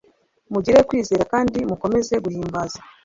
mugire kwizera kandi mukomeze guhimbaza